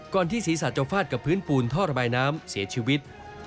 ที่ศีรษะจะฟาดกับพื้นปูนท่อระบายน้ำเสียชีวิต